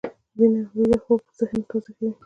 ویده خوب ذهن تازه کوي